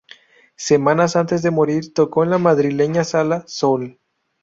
Semanas antes de morir tocó en la madrileña sala "Sol".